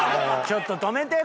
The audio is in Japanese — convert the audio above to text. ちょっと止めて！